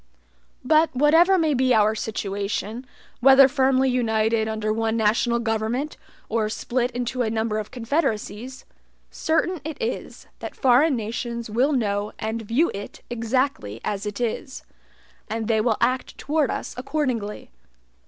But whatever may be our situation, whether firmly united under one national government, or split into a number of confederacies, certain it is, that foreign nations will know and view it exactly as it is; and they will act toward us accordingly.